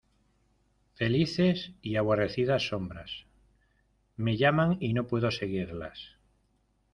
¡ felices y aborrecidas sombras: me llaman y no puedo seguirlas!